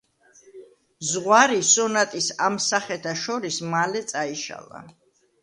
ზღვარი სონატის ამ სახეთა შორის მალე წაიშალა.